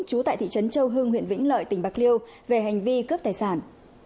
trú tại thị trấn châu hưng huyện vĩnh lợi tỉnh bạc liêu về hành vi cướp tài sản